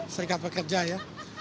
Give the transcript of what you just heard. serikat pekerja ya